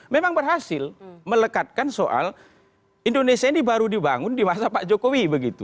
memang berhasil melekatkan soal indonesia ini baru dibangun di masa pak jokowi begitu